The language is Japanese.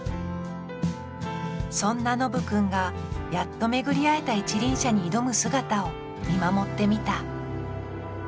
そんなのぶ君がやっと巡り会えた一輪車に挑む姿を見守ってみた